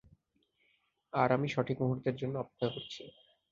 আর আমি সঠিক মুহূর্তের জন্য অপেক্ষা করছি।